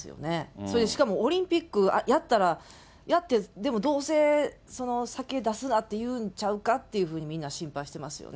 それでしかも、オリンピックやったら、やって、でもどうせ酒出すなって言うんちゃうかっていうふうにみんな心配してますよね。